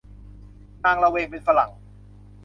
นางละเวงเป็นฝรั่ง